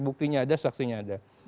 buktinya ada saksinya ada